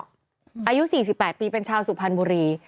อายุ๔๘ปีเป็นชาวสุพรรณบุรี